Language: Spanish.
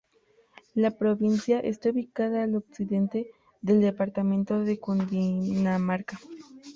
La provincia está ubicada al occidente del departamento de Cundinamarca.